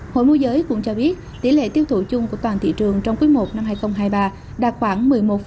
hội môi giới cũng cho biết tỷ lệ tiêu thụ chung của toàn thị trường trong quý i năm hai nghìn hai mươi ba đạt khoảng một mươi một